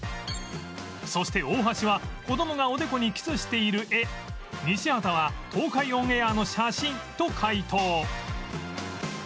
そして大橋は子供がおでこにキスしている絵西畑は東海オンエアの写真と解答